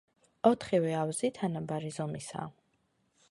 ოთხივე ავზი თანაბარი ზომისაა.